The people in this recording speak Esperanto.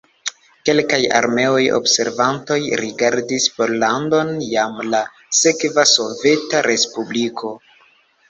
Kelkaj armeaj observantoj rigardis Pollandon jam la sekva soveta respubliko.